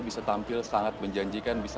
bisa tampil sangat menjanjikan bisa